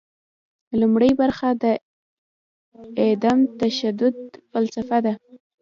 لومړۍ برخه د عدم تشدد فلسفه ده.